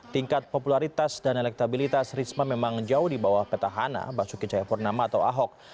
tingkat popularitas dan elektabilitas risma memang jauh di bawah petahana basuki cahayapurnama atau ahok